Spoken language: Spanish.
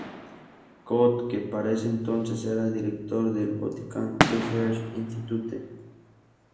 Codd, que para ese entonces era director del "Botanical Research Institute".